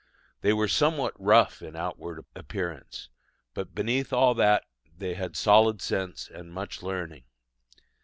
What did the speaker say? They were somewhat rough in outward appearance: but beneath all that they had solid sense and much learning.